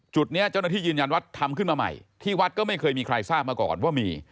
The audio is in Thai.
จุดนี้เจ้าหน้าที่ยืนยันว่าทำขึ้นมาใหม่ที่วัดก็ไม่เคยมีใครทราบมาก่อนว่ามี